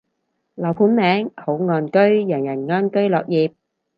樓盤名，好岸居，人人安居樂業